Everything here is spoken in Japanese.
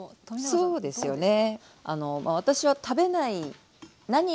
そうですよね。